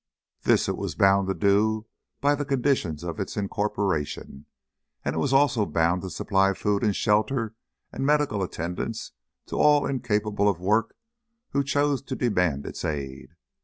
This it was bound to do by the conditions of its incorporation, and it was also bound to supply food and shelter and medical attendance to all incapable of work who chose to demand its aid.